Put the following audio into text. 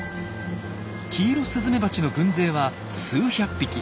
キイロスズメバチの軍勢は数百匹。